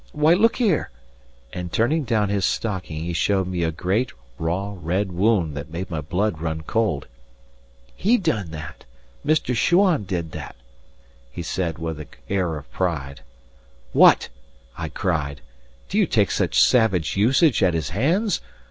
Why, look'ere;" and turning down his stocking he showed me a great, raw, red wound that made my blood run cold. "He done that Mr. Shuan done it," he said, with an air of pride. "What!" I cried, "do you take such savage usage at his hands?